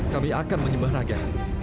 kami akan menyembah naga